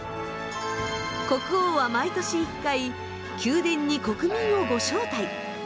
国王は毎年１回宮殿に国民をご招待。